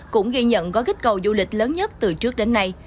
cũng ghi nhận có gích cầu du lịch lớn nhất từ trước đến nay